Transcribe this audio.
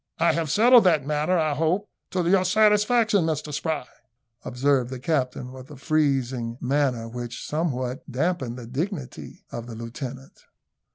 I have settled that matter, I hope, to your satisfaction, Mr Spry," observed the captain, with a freezing manner, which somewhat damped the dignity of the lieutenant.